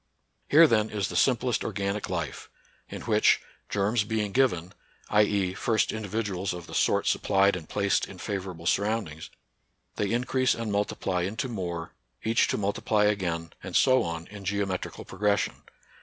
Here, then, is the simplest organic life, — in which, germs be ing given, t. e. first individuals of the sort sup plied and placed in favorable surroundings, they increase and multiply into more, each to multiply again, and so on, in geometrical pro gression.